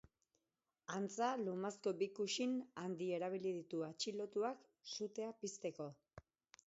Antza, lumazko bi kuxin handi erabili ditu atxilotuak sutea pizteko.